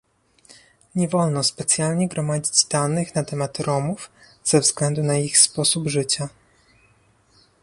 Nie wolno specjalnie gromadzić danych na temat Romów ze względu na ich sposób życia